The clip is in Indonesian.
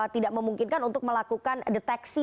tidak memungkinkan untuk melakukan deteksi